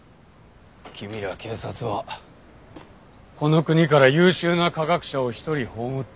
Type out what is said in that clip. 君ら警察はこの国から優秀な科学者を一人葬った。